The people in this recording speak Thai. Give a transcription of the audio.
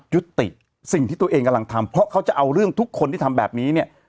ยุติสิ่งที่ตัวเองกำลังทำเพราะเขาจะเอาเรื่องทุกคนที่ทำแบบนี้เนี่ย